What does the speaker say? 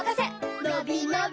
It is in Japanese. のびのび